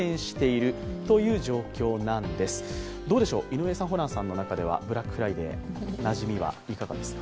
井上さん、ホランさんの中ではブラックフライデー、なじみはいかがですか。